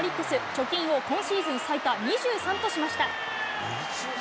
貯金を今シーズン最多、２３としました。